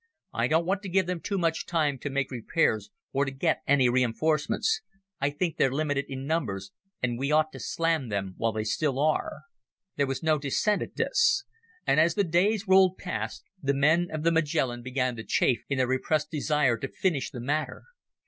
I don't want to give them too much time to make repairs or to get any reinforcements. I think they're limited in numbers and we ought to slam them while they still are." There was no dissent at this. And as the days rolled past, the men of the Magellan began to chafe in their repressed desire to finish the matter.